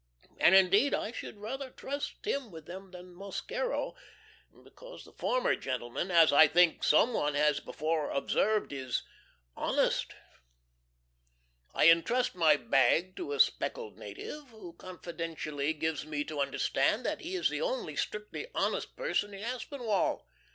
and indeed I should rather trust him with them than Mosquero, because the former gentleman, as I think some one has before observed, is "honest." I intrust my bag to a speckled native, who confidentially gives me to understand that he is the only strictly honest person in Aspinwall.